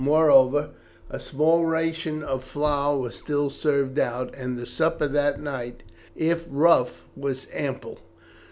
Moreover, a small ration of flour was still served out, and the supper that night, if rough, was ample.